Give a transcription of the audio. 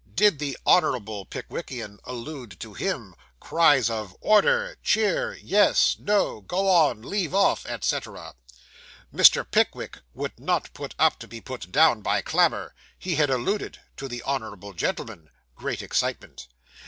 Did the honourable Pickwickian allude to him? (Cries of "Order," "Chair," "Yes," "No," "Go on," "Leave off," etc.) 'MR. PICKWICK would not put up to be put down by clamour. He had alluded to the honourable gentleman. (Great excitement.)